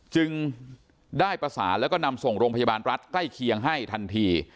จึงได้ประสานแล้วก็นำส่งโรงพยาบาลรัฐใกล้เคียงให้ทันที